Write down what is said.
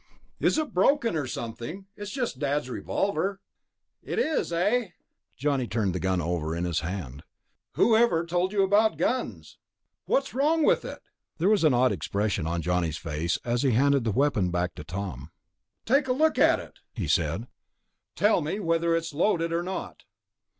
"Is it broken or something? It's just Dad's revolver...." "It is, eh?" Johnny turned the gun over in his hand. "Whoever told you about guns?" "What's wrong with it?" There was an odd expression on Johnny's face as he handed the weapon back to Tom. "Take a look at it," he said. "Tell me whether it's loaded or not."